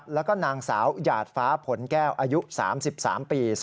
แล้วก็นางสาวหยาดฟ้าผลแก้วอายุ๓๓ปี